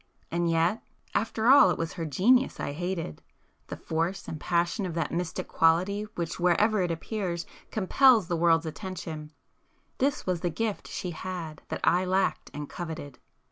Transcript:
And yet,—after all it was her genius I hated,—the force and passion of that mystic quality which wherever it appears, compels the world's attention,—this was the gift she had that I lacked and coveted.